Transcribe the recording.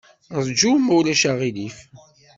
Ṛju, ma ulac aɣilif.